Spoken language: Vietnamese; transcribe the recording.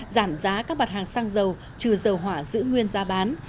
giảm giá các mặt hàng xăng dầu trừ dầu hỏa giữ nguyên giá bán